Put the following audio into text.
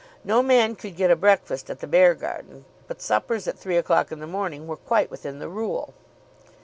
No man could get a breakfast at the Beargarden, but suppers at three o'clock in the morning were quite within the rule.